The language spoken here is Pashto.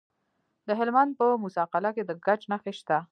د هلمند په موسی قلعه کې د ګچ نښې شته.